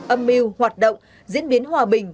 âm mưu hoạt động diễn biến hòa bình